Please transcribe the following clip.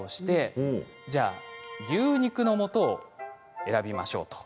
牛肉のもとを選びましょう。